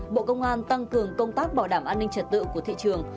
bộ công an tăng cường công tác bảo đảm an ninh trật tự của thị trường